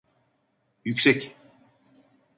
Yüksek…